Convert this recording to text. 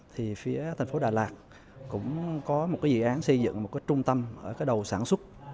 thì phía tp đà lạt cũng có một dự án xây dựng một trung tâm ở đầu sản xuất